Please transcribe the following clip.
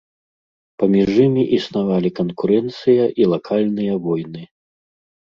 Паміж імі існавалі канкурэнцыя і лакальныя войны.